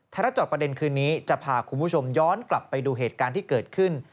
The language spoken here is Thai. รัฐจอดประเด็นคืนนี้จะพาคุณผู้ชมย้อนกลับไปดูเหตุการณ์ที่เกิดขึ้น